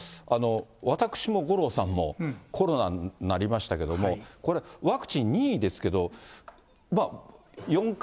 私も五郎さんも、コロナになりましたけれども、これ、ワクチン、任意ですけども、４回。